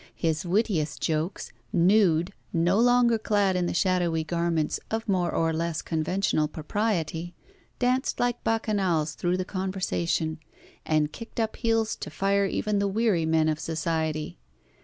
His wittiest jokes, nude, no longer clad in the shadowy garments of more or less conventional propriety, danced like bacchanals through the conversation, and kicked up heels to fire even the weary men of society.